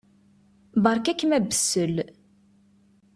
Beṛka-kem abessel.